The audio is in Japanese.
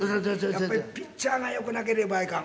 やっぱりピッチャーがよくなければいかん。